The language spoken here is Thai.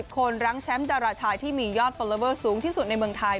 คนรั้งแชมป์ดาราชายที่มียอดฟอลลอเวอร์สูงที่สุดในเมืองไทย